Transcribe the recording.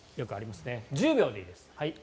１０秒でいいです。